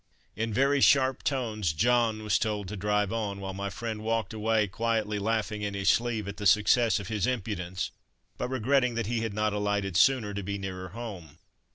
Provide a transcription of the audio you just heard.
In very sharp tones "John" was told to drive on, while my friend walked away, quietly laughing in his sleeve at the success of his impudence, but regretting that he had not alighted sooner to be nearer home.